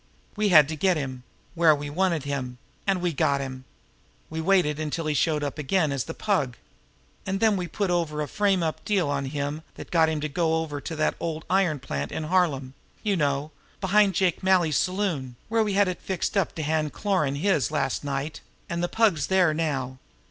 We had to get him where we wanted him and we got him. We waited until he showed up again as the Pug, and then we put over a frame up deal on him that got him to go over to that old iron plant in Harlem, you know, behind Jake Malley's saloon, where we had it fixed to hand Cloran his last night and the Pug's there now.